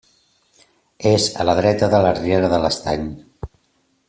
És a la dreta de la Riera de l'Estany.